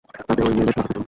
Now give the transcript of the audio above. তাতে ঐ মেয়ের বেশ মজা পেত।